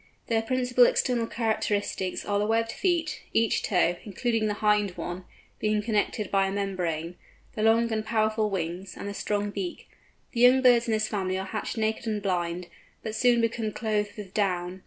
Their principal external characteristics are the webbed feet, each toe, including the hind one, being connected by a membrane, the long and powerful wings, and the strong beak. The young birds in this family are hatched naked and blind, but soon become clothed with down.